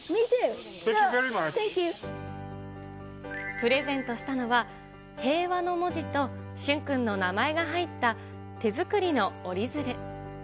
プレゼントしたのは、平和の文字と、駿君の名前が入った手作りの折り鶴。